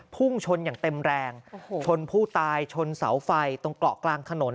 พุ่งชนอย่างเต็มแรงชนผู้ตายชนเสาไฟตรงเกาะกลางถนน